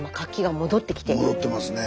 戻ってますね。